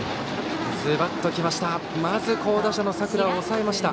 ズバッときました。